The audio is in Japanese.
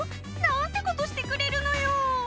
何てことしてくれるのよ！